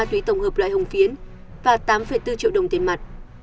ma túy tổng hợp loại hồng phiến và tám bốn triệu đồng tiền mặt